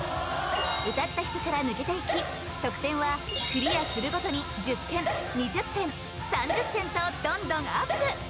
歌った人から抜けていき得点はクリアするごとに１０点２０点３０点とどんどんアップ